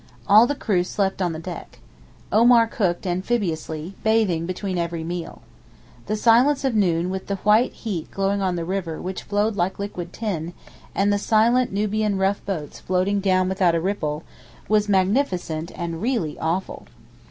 All the crew slept on the deck. Omar cooked amphibiously, bathing between every meal. The silence of noon with the white heat glowing on the river which flowed like liquid tin, and the silent Nubian rough boats floating down without a ripple, was magnificent and really awful.